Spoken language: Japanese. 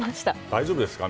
大丈夫ですか？